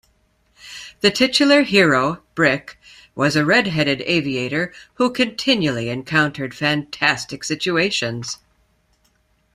The titular hero, Brick, was a redheaded aviator who continually encountered fantastic situations.